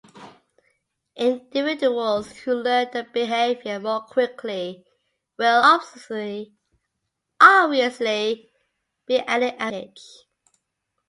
Individuals who learn the behavior more quickly will obviously be at an advantage.